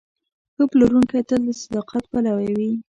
ښه پلورونکی تل د صداقت پلوی وي.